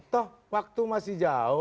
toh waktu masih jauh